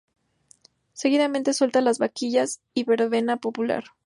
Seguidamente suelta de vaquillas y verbena popular.